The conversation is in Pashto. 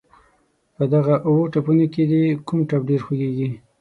په دغه اووه ټپونو کې دې کوم ټپ ډېر خوږېږي.